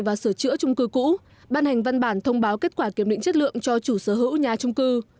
và sửa chữa trung cư cũ ban hành văn bản thông báo kết quả kiểm định chất lượng cho chủ sở hữu nhà trung cư